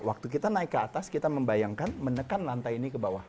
waktu kita naik ke atas kita membayangkan menekan lantai ini ke bawah